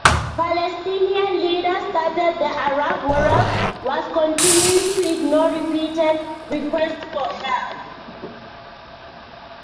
Palestinian leaders stated the Arab world was "continuing to ignore" repeated requests for help.